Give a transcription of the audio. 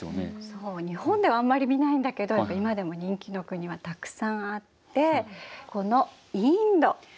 そう日本ではあんまり見ないんだけどやっぱり今でも人気の国はたくさんあってこのインド。